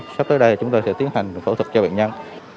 sắp tới đây chúng tôi sẽ tiến hành phẫu thuật cho bệnh nhân